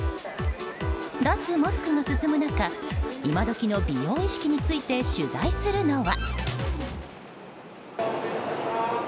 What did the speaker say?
脱マスクが進む中今どきの美容意識について取材するのは。